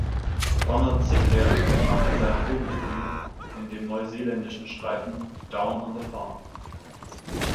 Ronald Sinclair machte sein Filmdebüt in dem neuseeländischen Streifen "Down on the Farm".